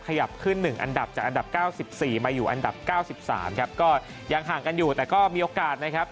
ขยับขึ้น๑อันดับจากอันดับ๙๔มาอยู่อันดับ๙๓ครับก็ยังห่างกันอยู่แต่ก็มีโอกาสนะครับ